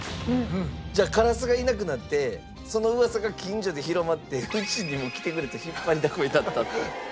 じゃあカラスがいなくなってその噂が近所で広まってうちにも来てくれと引っ張りだこになったと。